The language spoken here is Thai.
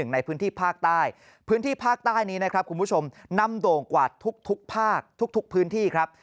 ในพื้นที่ภาคใต้พื้นที่ภาคใต้นี้นะครับคุณผู้ชมนำโด่งกว่าทุกภาคทุกพื้นที่ครับ